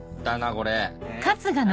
これ。